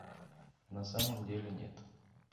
На самом деле нет